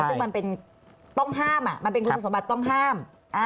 ซึ่งมันเป็นต้องห้ามมันเป็นคุณสมบัติต้องห้าม